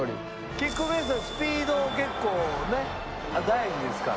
キックベースはスピード結構ね大事ですから。